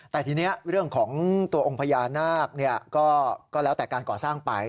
แต่ทีนี้เรื่องของตัวองค์พญานาคก็แล้วแต่การก่อสร้างไป